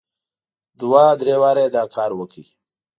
دوه درې واره یې دا کار وکړ.